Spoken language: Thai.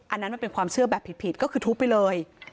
อันนั้นมันเป็นความเชื่อแบบผิดก็คือทุบไปเลย